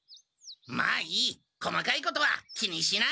まあいい細かいことは気にしない。